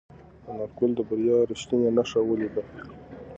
انارګل د بریا رښتینې نښه ولیده.